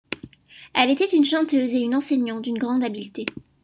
Elle était une chanteuse et une enseignante d'une grande habileté.